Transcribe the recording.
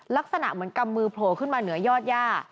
ลักษณะเหมือนกำมือโผล่ขึ้นมาเหนือยอดย่า